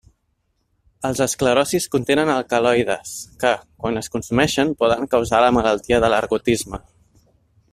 Els esclerocis contenen alcaloides que, quan es consumeixen poden causar la malaltia de l'ergotisme.